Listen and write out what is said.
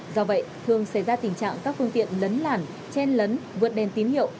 do vậy thường xảy ra tình trạng các phương tiện lấn làn chen lấn vượt đèn tín hiệu